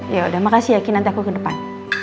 yaudah makasih ya ki nanti aku ke depan